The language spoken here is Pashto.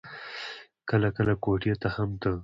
کله کله کوټې ته هم ته.